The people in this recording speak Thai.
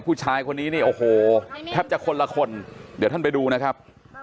ผู้ชายคนนี้นี่โอ้โหแทบจะคนละคนเดี๋ยวท่านไปดูนะครับ